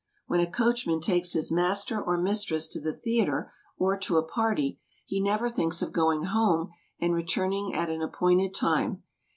When a coachman takes his mas ter or mistress to the theater or to a party, he never thinks of going home and returning at an appointed time.